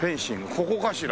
ここかしら？